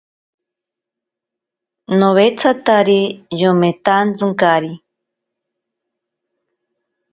Nowetsatari yometantsikari.